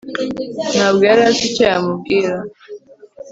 ntabwo yari azi icyo yamubwira